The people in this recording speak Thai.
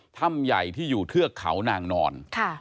ถ้ำใหญ่ที่อยู่เทือกเขานางนอน